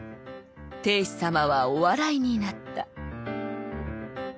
定子様はお笑いになった」。